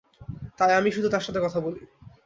তাই আমিই শুধু তার সাথে কথা বলি।